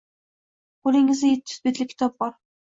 Qo‘lingizda yetti yuz betlik kitob bor.